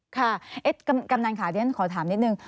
ค่ะเอไอ้กำลังค่าเดี๋ยวหน่อยขอถามนิดหนึ่ง